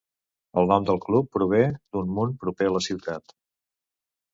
El nom del club prové d'un munt proper a la ciutat.